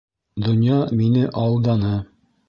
Донъя мине алданы: